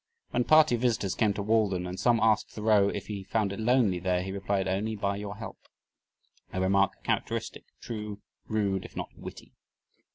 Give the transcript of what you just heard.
When a party of visitors came to Walden and some one asked Thoreau if he found it lonely there, he replied: "Only by your help." A remark characteristic, true, rude, if not witty.